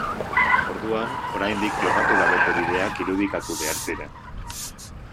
Orduan, oraindik jorratu gabeko bideak irudikatu behar ziren.